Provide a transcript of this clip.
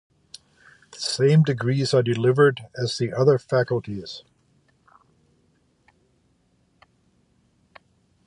The same degrees are delivered as the other faculties.